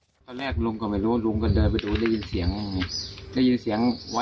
ตอนแรกลุงก็ไม่รู้ลุงก็เดินไปดูได้ยินเสียง